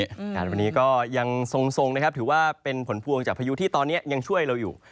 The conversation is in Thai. อากาศวันนี้ก็ยังทรงนะครับถือว่าเป็นผลพวงจากพายุที่ตอนนี้ยังช่วยเราอยู่